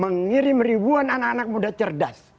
mengirim ribuan anak anak muda cerdas